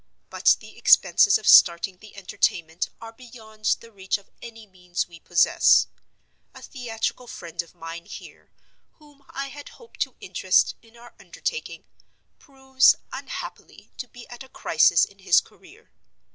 But the expenses of starting the Entertainment are beyond the reach of any means we possess. A theatrical friend of mine here, whom I had hoped to interest in our undertaking, proves, unhappily, to be at a crisis in his career.